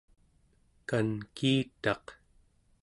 kankiitaq